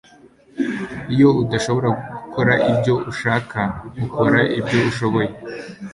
Iyo udashobora gukora ibyo ushaka ukora ibyo ushoboye